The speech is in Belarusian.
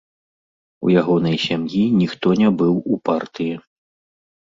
У ягонай сям'і ніхто не быў у партыі.